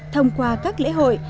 thông qua các lễ hội